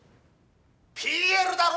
「ＰＬだろ！」